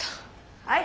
はい。